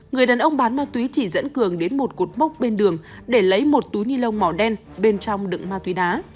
người đàn ông bán ma túy chỉ dẫn cường đến một cột mốc bên đường để lấy một túi ni lông màu đen bên trong đựng ma túy đá